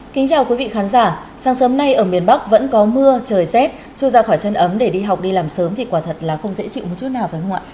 kính chào quý vị khán giả sáng sớm nay ở miền bắc vẫn có mưa trời rét chưa ra khỏi chân ấm để đi học đi làm sớm thì quả thật là không dễ chịu một chút nào phải không ạ